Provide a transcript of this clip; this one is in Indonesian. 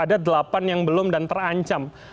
ada delapan yang belum dan terancam